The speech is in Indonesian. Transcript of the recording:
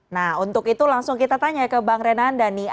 nah untuk itu langsung kita tanya ke bang renanda nih